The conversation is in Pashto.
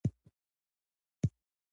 د پوزې بندښت ته پام وکړئ.